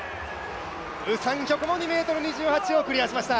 ウ・サンヒョクも２ｍ２８をクリアしました。